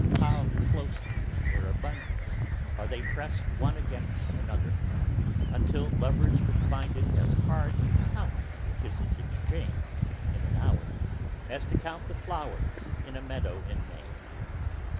How closely, in their abundance, are they pressed one against another; until lovers would find it as hard to count the kisses exchanged in an hour, as to count the flowers in a meadow in May.